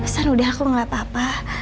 pesan udah aku gak apa apa